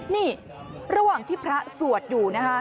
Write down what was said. นี่ระหว่างที่พระสวดอยู่นะคะ